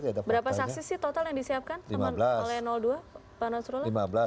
berapa saksi sih total yang disiapkan oleh dua